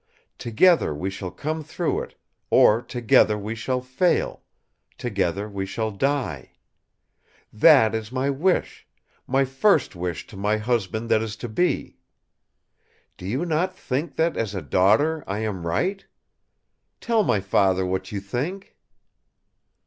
Together we shall come through it; or together we shall fail; together we shall die. That is my wish; my first wish to my husband that is to be! Do you not think that, as a daughter, I am right? Tell my Father what you think!"